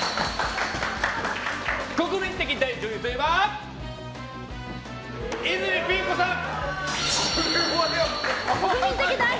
国民的大女優といえば泉ピン子さん！